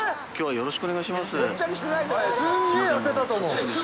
よろしくお願いします。